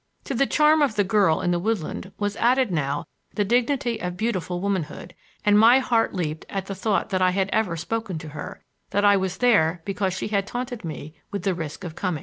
To the charm of the girl in the woodland was added now the dignity of beautiful womanhood, and my heart leaped at the thought that I had ever spoken to her, that I was there because she had taunted me with the risk of coming.